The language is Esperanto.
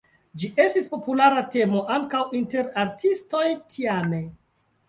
Ĝi estis populara temo ankaŭ inter artistoj tiame.